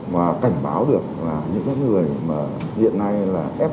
và cảnh báo được là những người mà hiện nay là f